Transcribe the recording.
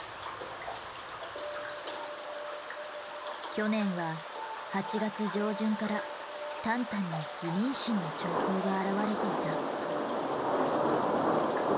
去年は８月上旬からタンタンに偽妊娠の兆候が現れていた。